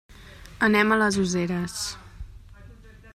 Anem a les Useres.